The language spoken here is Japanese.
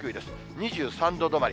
２３度止まり。